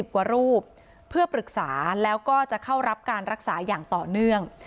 กว่ารูปเพื่อปรึกษาแล้วก็จะเข้ารับการรักษาอย่างต่อเนื่อง